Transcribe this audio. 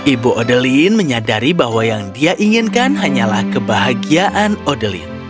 ibu odeline menyadari bahwa yang dia inginkan hanyalah kebahagiaan odeline